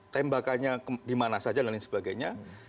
tembakannya dimana saja dan lain sebagainya